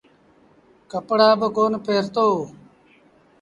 ڪپڙآ با ڪونا پهرتو۔